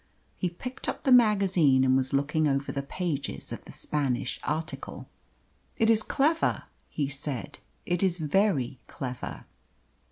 He picked up the magazine and was looking over the pages of the Spanish article. "It is clever," he said. "It is very clever."